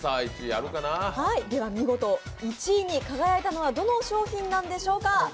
では見事、１位に輝いたのはどの商品なんでしょうか？